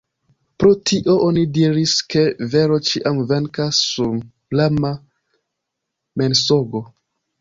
Pro tio oni diris ke vero ĉiam Venkas sur lama Mensogo.